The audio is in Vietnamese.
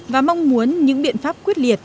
và mong muốn những biện pháp quyết liệt